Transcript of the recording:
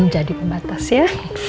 jadi pembatas ya